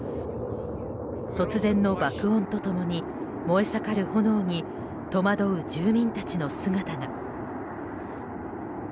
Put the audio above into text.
突然爆音と共に燃え盛る炎に戸惑う住民たちの姿が。